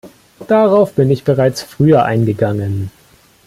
Darauf bin ich bereits früher eingegangen.